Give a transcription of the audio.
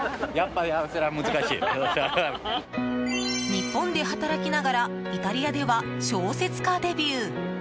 日本で働きながらイタリアでは小説家デビュー。